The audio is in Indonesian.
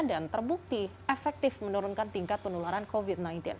dan terbukti efektif menurunkan tingkat penularan covid sembilan belas